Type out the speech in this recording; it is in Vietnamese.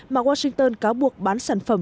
mà washington cáo buộc bán sản phẩm